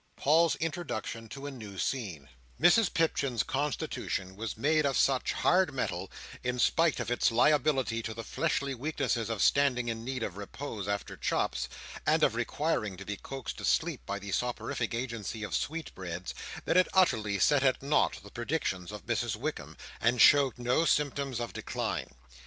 Paul's Introduction to a New Scene Mrs Pipchin's constitution was made of such hard metal, in spite of its liability to the fleshly weaknesses of standing in need of repose after chops, and of requiring to be coaxed to sleep by the soporific agency of sweet breads, that it utterly set at naught the predictions of Mrs Wickam, and showed no symptoms of decline.